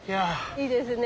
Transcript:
いいですね